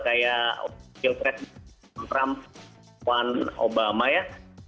kayak trump obama ya